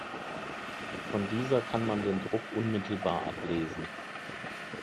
Von dieser kann man den Druck unmittelbar ablesen.